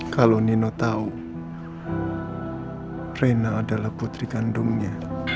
kalau nino tahu rena adalah putri kandungnya